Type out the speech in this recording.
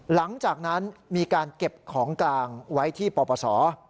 หลังจากนั้นมีการเก็บของกลางไว้ที่ปปศ